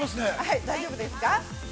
大丈夫ですか。